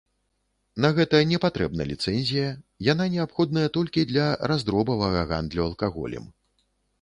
На гэта не патрэбна ліцэнзія, яна неабходная толькі для раздробавага гандлю алкаголем.